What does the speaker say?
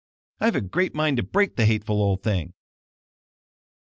I've a great mind to break the hateful old thing."